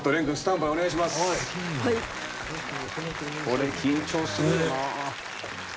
これ緊張するよな。